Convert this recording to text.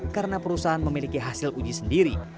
karena perusahaan memiliki hasil uji sendiri